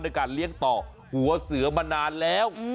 การเลี้ยงต่อหัวเสือมานานแล้ว